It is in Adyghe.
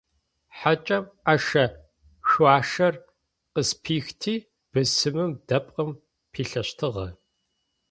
Хьакӏэм ӏэшэ-шъуашэр къызпихти, бысымым дэпкъым пилъэщтыгъэ.